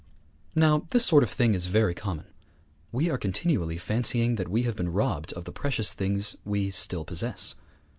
Now, this sort of thing is very common. We are continually fancying that we have been robbed of the precious things we still possess.